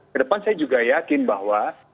kedepan saya juga yakin bahwa